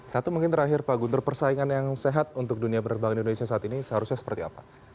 satu mungkin terakhir pak guntur persaingan yang sehat untuk dunia penerbangan indonesia saat ini seharusnya seperti apa